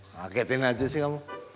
kagetin aja sih kamu